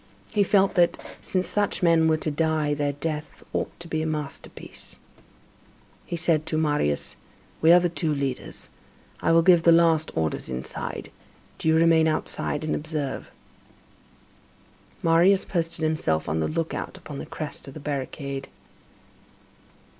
He felt that, since such men were to die, their death ought to be a masterpiece. He said to Marius: "We are the two leaders. I will give the last orders inside. Do you remain outside and observe." Marius posted himself on the lookout upon the crest of the barricade.